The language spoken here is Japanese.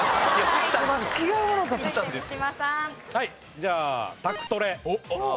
じゃあ宅トレ。